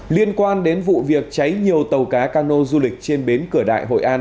liên quan đến vụ việc cháy nhiều tàu cá cano du lịch trên bến cửa đại hội an